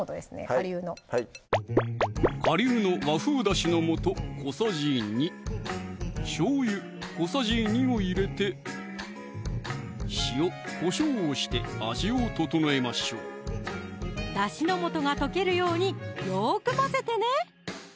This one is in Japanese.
顆粒の顆粒の和風だしの素小さじ２しょうゆ小さじ２を入れて塩・こしょうをして味を調えましょうだしの素が溶けるようによく混ぜてね！